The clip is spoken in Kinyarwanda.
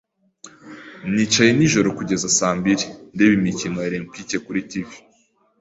Nicaye nijoro kugeza saa mbiri ndeba imikino Olempike kuri TV.